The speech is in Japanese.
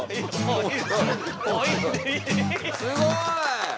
すごい！